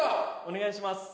お願いします